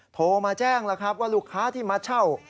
โทรมาแจ้งว่าลูกค้าที่มาเช่า